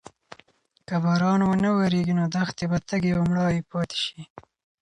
که باران ونه وریږي نو دښتې به تږې او مړاوې پاتې شي.